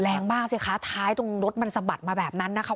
แรงมากสิคะท้ายตรงรถมันสะบัดมาแบบนั้นนะคะ